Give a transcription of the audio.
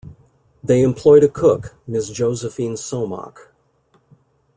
They employed a cook, Ms. Josephine Somach.